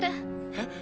えっ？